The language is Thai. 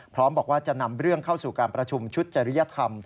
พร้อมบอกว่าจะนำเรื่องเข้าสู่การประชุมชุดจริยธรรม